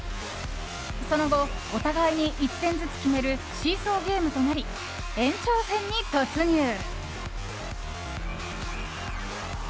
その後、お互いに１点ずつ決めるシーソーゲームとなり延長戦に突入。